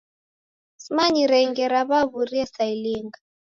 Simanyire ngera w'aw'urie saa ilinga.